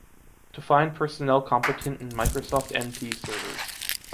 To find personnel competent in Microsoft NT Servers.